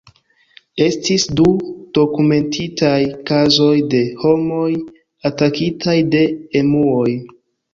Estis du dokumentitaj kazoj de homoj atakitaj de emuoj.